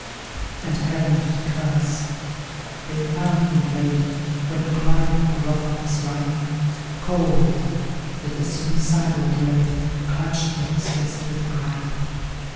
And heaven did curse they found him laid, When crime for wrath was rife, Cold with the suicidal blade Clutched in his desperate gripe.